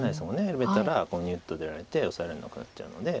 緩めたらニュッと出られてオサえられなくなっちゃうので。